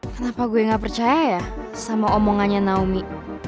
kenapa gue gak percaya ya sama omongannya naomi